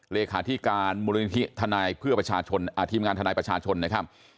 เลขาธิการมูลนิธิธนายทีมงานธนายประชาชนนะครับ